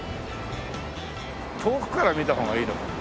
遠くから見た方がいいのか。